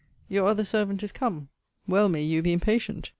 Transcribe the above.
Your other servant is come. Well may you be impatient!